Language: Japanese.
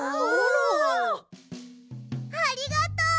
ありがとう。